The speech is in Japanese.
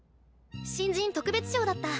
新人特別賞だった。